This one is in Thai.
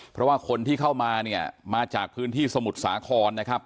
เพราะว่าคนที่เข้ามาเนี่ยมาจากพื้นที่สมุทรสาครนะครับ